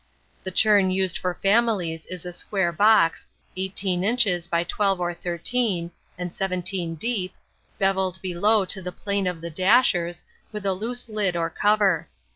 The churn used for families is a square box, 18 inches by 12 or 13, and 17 deep, bevelled below to the plane of the dashers, with a loose lid or cover.